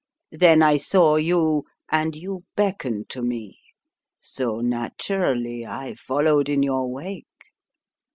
Then I saw you, and you beckoned to me, so naturally I followed in your wake.